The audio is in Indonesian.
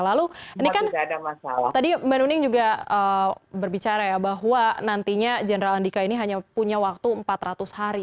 lalu ini kan tadi mbak nuning juga berbicara ya bahwa nantinya jenderal andika ini hanya punya waktu empat ratus hari